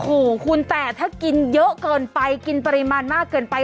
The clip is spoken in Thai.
โอ้โหคุณแต่ถ้ากินเยอะเกินไปกินปริมาณมากเกินไป